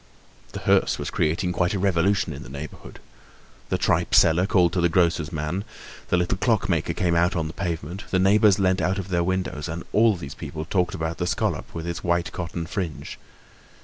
The hearse was creating quite a revolution in the neighborhood. The tripe seller called to the grocer's men, the little clockmaker came out on to the pavement, the neighbors leant out of their windows; and all these people talked about the scallop with its white cotton fringe.